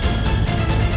tadi meeting nya kelamaan